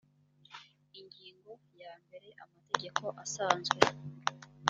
ingingo ya mbere amategeko asanzwe